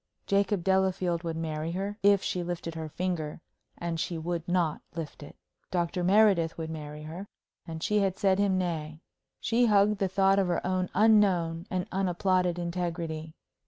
Jacob Delafield would marry her, if she lifted her finger; and she would not lift it. Dr. Meredith would marry her, and she had said him nay. She hugged the thought of her own unknown and unapplauded integrity.